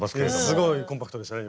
すごいコンパクトでしたね